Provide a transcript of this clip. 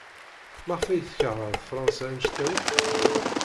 Maɣef ay tkeṛhed Fṛansa anect-a akk?